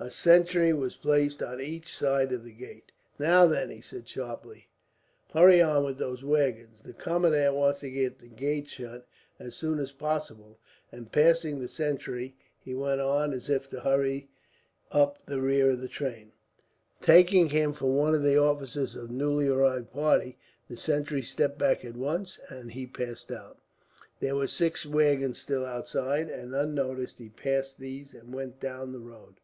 A sentry was placed on each side of the gate. "Now then," he said sharply, "hurry on with these waggons. The commandant wants the gate shut, as soon as possible;" and passing the sentry, he went on as if to hurry up the rear of the train. Taking him for one of the officers of the newly arrived party, the sentry stepped back at once, and he passed out. There were six waggons still outside and, unnoticed, he passed these and went down the road.